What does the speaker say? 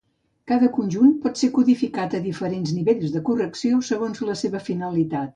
Cada conjunt pot ser codificat a diferents nivells de correcció segons la seva finalitat.